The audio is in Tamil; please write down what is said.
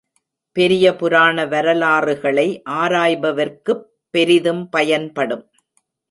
பெரிய புராண வரலாறுகளை ஆராய்பவர்க்குப் பெரிதும் பயன்படும்.